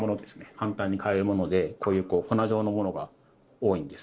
簡単に買えるものでこういう粉状のものが多いんです。